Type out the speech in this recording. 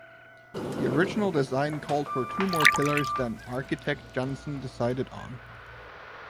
The original design called for two more pillars than architect Janssen decided on.